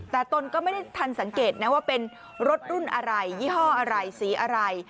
แต่ตนก็ไม่ได้ทันสังเกตนะว่าเป็นรถรุ่นอะไรยี่ห้ออะไรสีอะไร